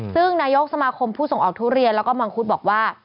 ซึ่งนายกสมาคมผู้ส่งออกทุเรียนแล้วก็มังคุดบอกว่า